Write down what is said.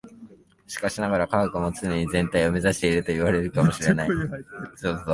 しかしながら、科学も常に全体を目指しているといわれるかも知れない。